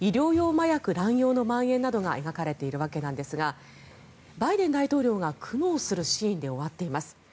麻薬乱用のまん延などが描かれているわけですがバイデン大統領が苦悩するシーンで終わっています。